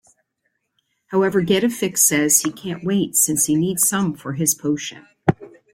However Getafix says he can't wait since he needs some for his potion.